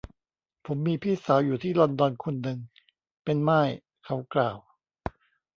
ผมมีพี่สาวอยู่ที่ลอนดอนคนนึง เป็นม่าย เขากล่าว